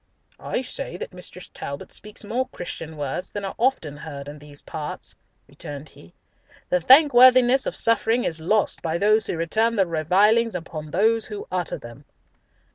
"I say that Mrs. Talbot speaks more Christian words than are often heard in these parts," returned he. "The thankworthiness of suffering is lost by those who return the revilings upon those who utter them."